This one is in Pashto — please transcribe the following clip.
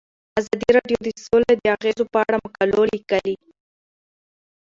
ازادي راډیو د سوله د اغیزو په اړه مقالو لیکلي.